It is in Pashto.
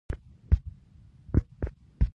د زړه سوي هغه ملت دی چي خاموش یې وي ږغونه